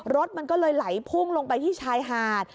รถมันก็เลยไหลพุ่งลงไปที่ชายหาด